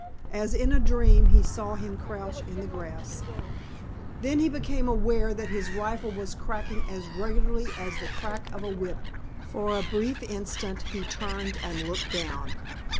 As in a dream he saw him crouch in the grass. Then he became aware that his rifle was cracking as regularly as the crack of a whip. For a brief instant he turned and looked down.